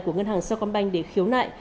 của ngân hàng sa công bạch để khiếu nại